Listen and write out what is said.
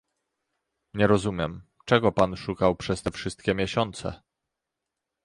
Nie rozumiem, czego pan szukał przez te wszystkie miesiące